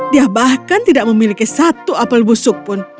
dia bahkan tidak memiliki satu apel busuk pun